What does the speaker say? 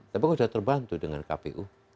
tapi kok sudah terbantu dengan kpu